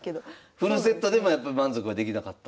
フルセットでもやっぱ満足はできなかった？